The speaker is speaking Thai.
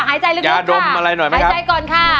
หายใจลึกค่ะหายใจก่อนค่ะ